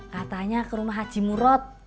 katanya ke rumah haji murod